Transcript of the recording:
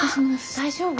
大丈夫？